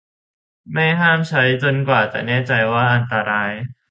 ไม่ห้ามใช้จนกว่าจะแน่ใจว่าอันตราย